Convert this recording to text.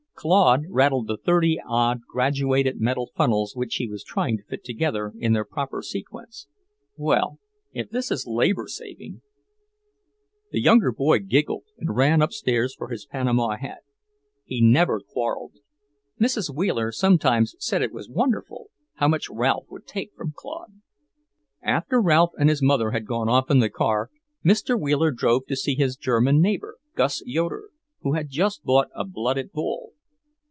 Claude rattled the thirty odd graduated metal funnels which he was trying to fit together in their proper sequence. "Well, if this is labour saving" The younger boy giggled and ran upstairs for his panama hat. He never quarrelled. Mrs. Wheeler sometimes said it was wonderful, how much Ralph would take from Claude. After Ralph and his mother had gone off in the car, Mr. Wheeler drove to see his German neighbour, Gus Yoeder, who had just bought a blooded bull.